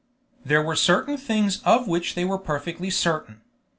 There were certain things of which they were perfectly certain.